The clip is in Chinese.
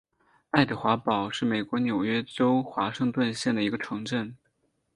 爱德华堡是美国纽约州华盛顿县的一个城镇。